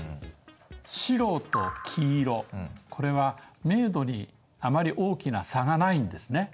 白と黄色これは明度にあまり大きな差がないんですね。